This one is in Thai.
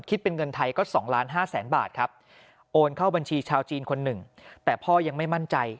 คิดเป็นเงินไทยก็๒๕๐๐๐๐๐บาทครับ